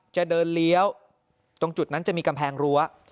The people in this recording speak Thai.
จะเดินเลี้ยวตรงจุดนั้นจะมีกำแพงรั้ว